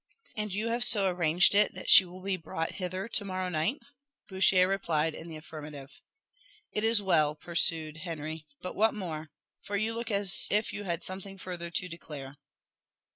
And you have so arranged it that she will be brought hither to morrow night?" Bouchier replied in the affirmative. "It is well," pursued Henry; "but what more? for you look as if you had something further to declare."